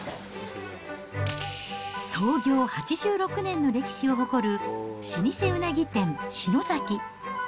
創業８６年の歴史を誇る老舗うなぎ店、志乃ざき。